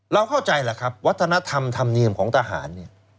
เราเข้าใจล่ะครับวัฒนธรรมธรรมเนียมของทหาร